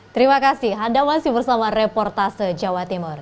terima kasih anda masih bersama reportase jawa timur